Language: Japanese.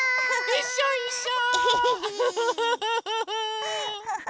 いっしょいっしょ！